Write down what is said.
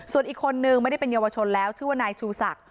ส่วนอีกคนนึงไม่ได้เป็นเยาวชนแล้วชื่อว่านายชูศักดิ